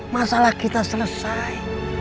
masalah kita selesai